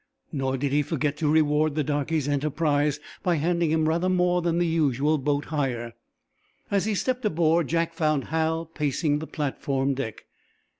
Nor did he forget to reward the darkey's enterprise by handing him rather more than the usual boat hire. As he stepped aboard Jack found Hal pacing the platform deck.